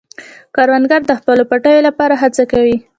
کروندګر د خپلو پټیو لپاره هڅه کوي